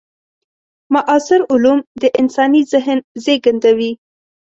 معاصر علوم د انساني ذهن زېږنده وي.